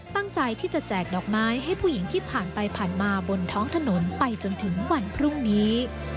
ตั้งใจที่จะแจกดอกไม้ให้ผู้หญิงที่ผ่านไปผ่านมาบนท้องถนนไปจนถึงวันพรุ่งนี้